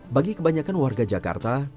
bagi kebanyakan warga jakarta